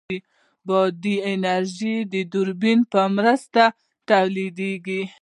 د باد انرژي د توربین په مرسته تولیدېږي.